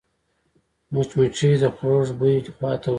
مچمچۍ د خوږ بوی خواته ورځي